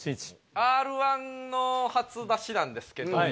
『Ｒ−１』の初出しなんですけども。